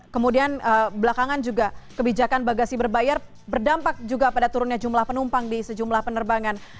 kemudian belakangan juga kebijakan bagasi berbayar berdampak juga pada turunnya jumlah penumpang di sejumlah penerbangan